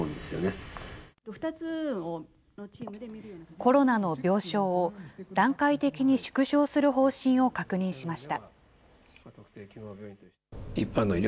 コロナの病床を段階的に縮小する方針を確認しました。